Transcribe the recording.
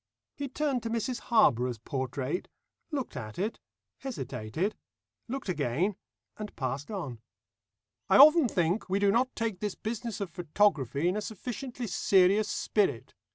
He turned to Mrs Harborough's portrait, looked at it, hesitated, looked again, and passed on. "I often think we do not take this business of photography in a sufficiently serious spirit.